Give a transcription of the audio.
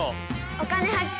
「お金発見」。